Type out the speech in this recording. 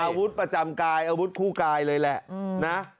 อาวุธประจำกายอาวุธคู่กายเลยแหละนะ